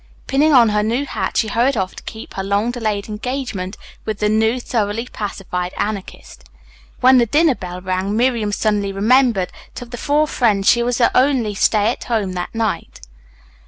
Pinning on her new hat she hurried off to keep her long delayed engagement with the now thoroughly pacified Anarchist. When the dinner bell rang, Miriam suddenly remembered that of the four friends she was the only stay at home that night.